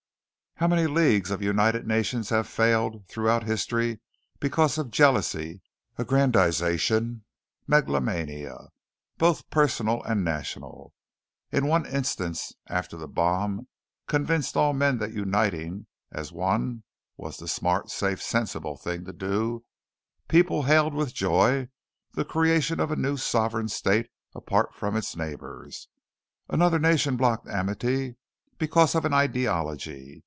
How many leagues of united nations have failed throughout history because of jealousy, aggrandization, megalomania. Both personal and national. In one instance after the Bomb convinced all men that uniting as one was the smart, safe, sensible thing to do, people hailed with joy the creation of a new sovereign state apart from its neighbors. Another nation blocked amity because of an ideology.